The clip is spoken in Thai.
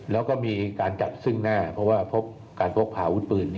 แล้วก็มีการจัดซึ่งหน้าเพราะว่าพบการพกพาอาวุธปืน